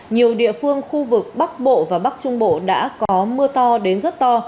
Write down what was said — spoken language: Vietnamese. nhiều địa phương khu vực bắc bộ và bắc trung bộ đã có mưa to đến rất to